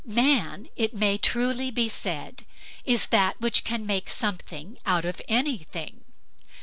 Man (it may truly be said) is that which can make something out of anything.